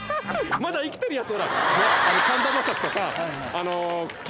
まだ生きてるヤツ。